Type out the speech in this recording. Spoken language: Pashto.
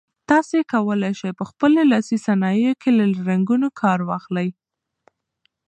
تاسي کولای شئ په خپلو لاسي صنایعو کې له رنګونو کار واخلئ.